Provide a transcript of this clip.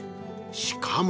しかも。